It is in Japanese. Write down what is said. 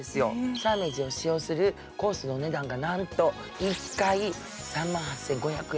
サーメージを使用するコースの値段がなんと、１回３万８５００円。